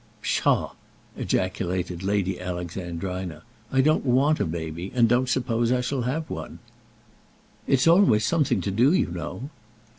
"Psha!" ejaculated Lady Alexandrina; "I don't want a baby, and don't suppose I shall have one." "It's always something to do, you know."